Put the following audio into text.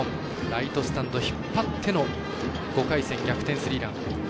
ライトスタンド引っ張っての５回戦、逆転スリーラン。